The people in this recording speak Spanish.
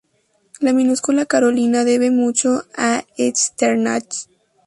La minúscula carolina debe mucho a Echternach.